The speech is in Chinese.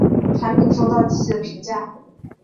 产品收到积极的评价。